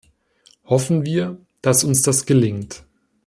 Hoffen wir, dass uns das gelingt.